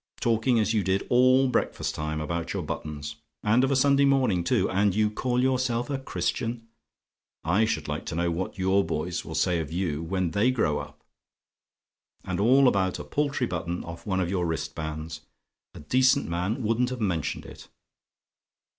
Talking as you did all breakfast time about your buttons! And of a Sunday morning, too! And you call yourself a Christian! I should like to know what your boys will say of you when they grow up? And all about a paltry button off one of your wristbands! A decent man wouldn't have mentioned it.